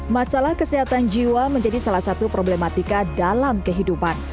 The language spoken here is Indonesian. masalah kesehatan jiwa menjadi salah satu problematika dalam kehidupan